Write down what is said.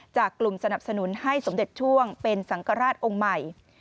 จากกลุ่มสนับสนุนให้สมเด็จช่วงเป็นสังกราชองค์ใหม่